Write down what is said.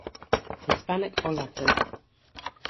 Hispanic or Latin.